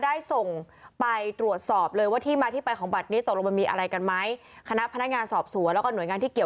ได้ส่งไปตรวจสอบเลยว่าที่มาที่ไปของบัตรนี้